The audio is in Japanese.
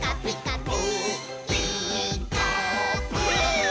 「ピーカーブ！」